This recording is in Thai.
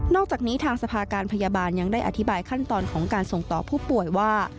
อกจากนี้ทางสภาการพยาบาลยังได้อธิบายขั้นตอนของการส่งต่อผู้ป่วยว่า